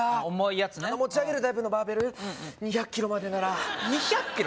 あの持ち上げるタイプのバーベル２００キロまでなら２００キロ？